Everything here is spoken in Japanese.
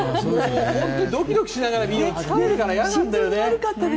ドキドキしながら見るの疲れるから嫌なんだよね。